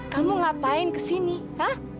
kamu ngapain kesini hah